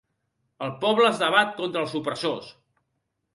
El poble es debat contra els opressors.